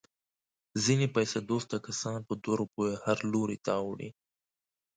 ځنې پیسه دوسته کسان په دوه روپیو هر لوري ته اوړي.